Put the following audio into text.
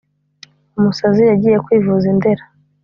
umusazi yagiye kwivuza i ndera